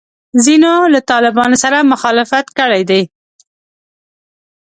ځینو له طالبانو سره مخالفت کړی دی.